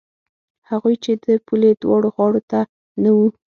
هغوی چې د پولې دواړو غاړو ته نه وو.